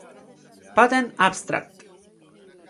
Patent abstract".